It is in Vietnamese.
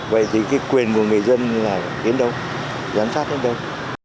vậy thì cái quyền của người dân là đến đâu giám sát đến đâu